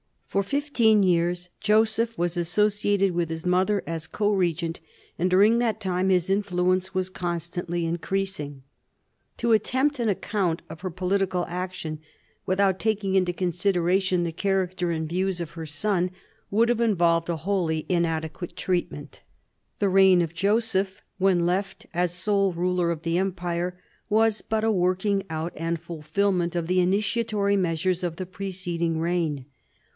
For fifteen years Joseph was associated with his mother as co regent; and during that time his influence was constantly increasing. To attempt an account of her political action, without taking into consideration the character and views of her son, would involve a wholly inadequate treatment. The reign of Joseph, when left as sole ruler of the empire, was but a working out and fulfilment of the initiatory measures of the preceding reign.